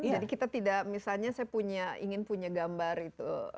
jadi kita tidak misalnya saya punya ingin punya gambar itu